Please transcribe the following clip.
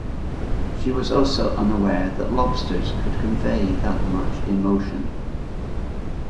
She was also unaware that lobsters could convey that much emotion.